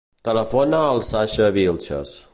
Telefona al Sasha Vilches.